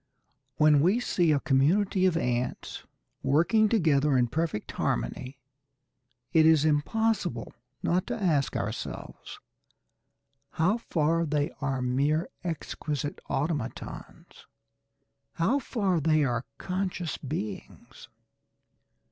When we see a community of ants working together in perfect harmony, it is impossible not to ask ourselves how far they are mere exquisite automatons; how far they are conscious beings.